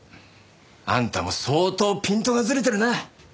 あんたも相当ピントがずれてるな。